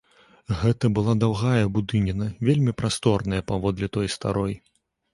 Гэта была даўгая будыніна, вельмі прасторная, паводле той старой.